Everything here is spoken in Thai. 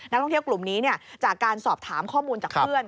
ท่องเที่ยวกลุ่มนี้จากการสอบถามข้อมูลจากเพื่อน